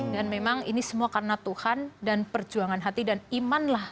dan memang ini semua karena tuhan dan perjuangan hati dan iman lah